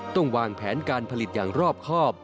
ต้องวางแผนการผลิตอย่างรอบครอบ